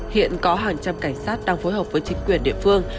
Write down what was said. hiện có hàng trăm cảnh sát đang phối hợp với chính quyền địa phương